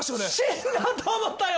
死んだと思ったよ。